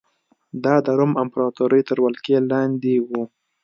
دا د روم امپراتورۍ تر ولکې لاندې و